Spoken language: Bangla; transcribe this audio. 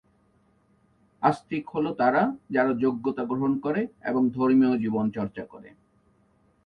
আস্তিক হল তারা যারা যোগ্যতা গ্রহণ করে এবং ধর্মীয় জীবন চর্চা করে।